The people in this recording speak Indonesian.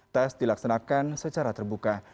tes dilaksanakan secara terbuka